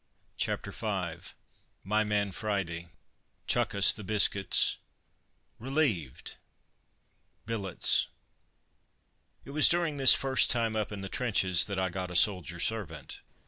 CHAPTER V MY MAN FRIDAY "CHUCK US THE BISCUITS" RELIEVED BILLETS It was during this first time up in the trenches that I got a soldier servant.